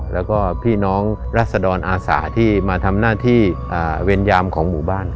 แล้วก็พี่น้องรัศดรอาสาที่มาทำหน้าที่เวรยามของหมู่บ้าน